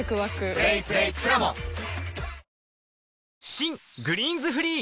新「グリーンズフリー」